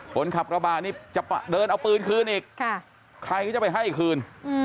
คนขับกระบะนี่จะเดินเอาปืนคืนอีกใครก็จะไปให้คืน